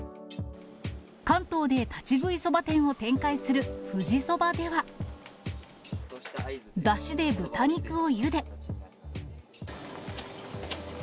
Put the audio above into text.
関東で立ち食いそば店を展開する富士そばでは、だしで豚肉をゆで。